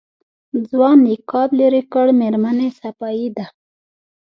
ځوان نقاب لېرې کړ مېرمنې صفايي ده.